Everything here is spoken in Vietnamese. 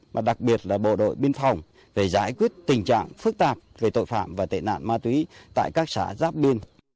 mà đặc biệt là bộ đội biên phòng để giải quyết tình trạng phức tạp về tội phạm và tệ nạn ma túy tại các xã giáp biên